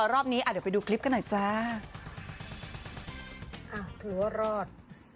รอบนี้อ่ะเดี๋ยวไปดูคลิปกันหน่อยจ้าอ้าวถือว่ารอด